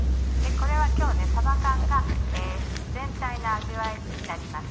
これは今日さば缶が全体の味わいになります。